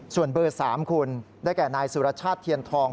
ส่วนบ๓ได้แก่นายสุรชาติเทียนทอง